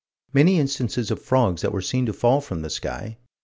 Many instances of frogs that were seen to fall from the sky.